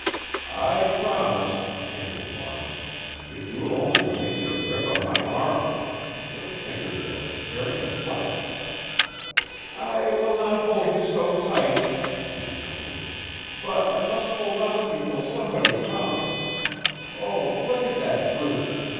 "I promise," panted Barnes, "if you will only release your grip on my arm. Your finger nails are tearing the flesh." "I w w w will not hold you so tight," she consented, "but I must hold on to you till somebody comes. Oh, look at that brute.